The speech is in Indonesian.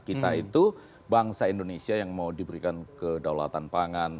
kita itu bangsa indonesia yang mau diberikan kedaulatan pangan